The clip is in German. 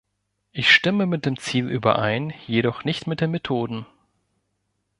Ich stimme mit dem Ziel überein, jedoch nicht mit den Methoden.